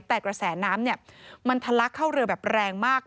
แต่กระแสน้ำมันทะลักเข้าเรือแบบแรงมาก